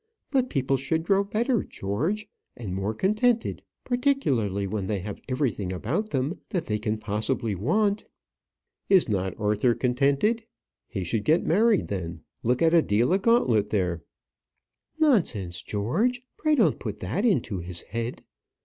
But people should grow better, George, and more contented; particularly when they have everything about them that they can possibly want." "Is not Arthur contented? He should get married then. Look at Adela Gauntlet there!" "Nonsense, George; pray don't put that into his head.